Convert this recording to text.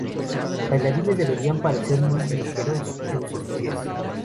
Los bailarines deberían parecer muy ligeros en sus pies.